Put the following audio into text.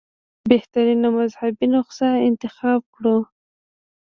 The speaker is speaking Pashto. بهترینه مذهبي نسخه انتخاب کړو.